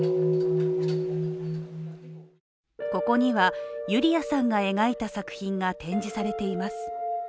ここにはユリヤさんが描いた作品が展示されています。